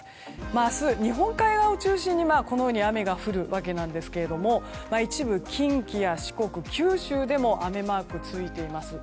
明日、日本海側を中心に雨が降るわけなんですが一部近畿や四国、九州でも雨マークがついています。